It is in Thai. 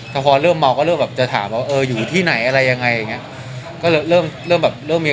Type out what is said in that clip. แต่พอเริ่มเมาก็เริ่มจะถามว่าอยู่ที่ไหนอะไรยังไง